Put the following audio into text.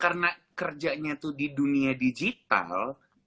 karena kerjanya tuh di dunia digital